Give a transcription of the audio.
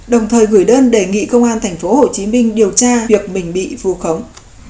đồng thời gửi đơn đề nghị công an tp hcm điều tra việc mình bị vù khống